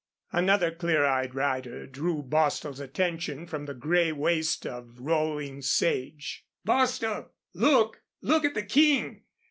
Another clear eyed rider drew Bostil's attention from the gray waste of rolling sage. "Bostil, look! Look at the King!